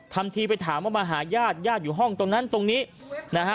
ทำทีไปถามว่ามาหาญาติญาติอยู่ห้องตรงนั้นตรงนี้นะฮะ